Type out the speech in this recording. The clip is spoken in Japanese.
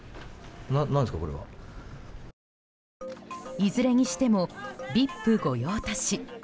いずれにしてもＶＩＰ御用達。